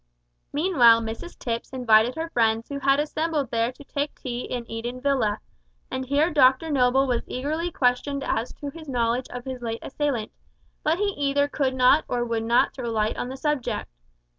Meanwhile Mrs Tipps invited her friends who had assembled there to take tea in Eden Villa, and here Dr Noble was eagerly questioned as to his knowledge of his late assailant, but he either could not or would not throw light on the subject.